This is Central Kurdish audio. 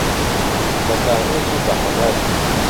به تانوت و به حونەر